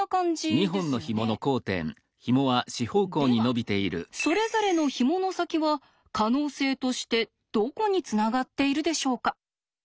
ではそれぞれのひもの先は可能性としてどこにつながっているでしょうか？